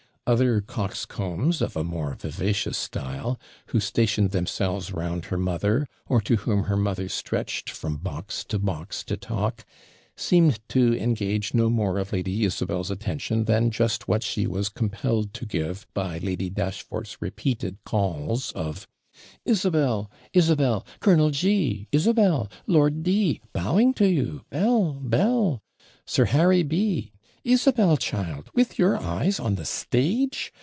Other coxcombs, of a more vivacious style, who stationed themselves round her mother, or to whom her mother stretched from box to box to talk, seemed to engage no more of Lady Isabel's attention than just what she was compelled to give by Lady Dashfort's repeated calls of 'Isabel! Isabel! Colonel G Isabel! Lord D bowing to you, Belie! Belie! Sir Harry B Isabel, child, with your eyes on the stage?